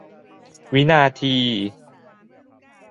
วินาที